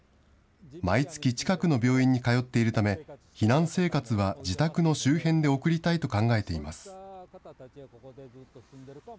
毎月近くの病院に通っているため、避難生活は自宅の周辺で送りたいと考えています。